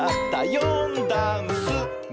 「よんだんす」「め」！